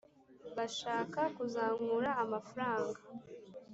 Bashaka kuzankura amafaranga